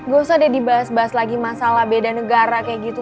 gak usah deh dibahas bahas lagi masalah beda negara kayak gitu